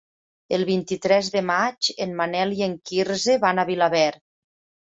El vint-i-tres de maig en Manel i en Quirze van a Vilaverd.